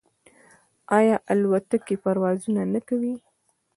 آیا الوتکې پروازونه نه کوي؟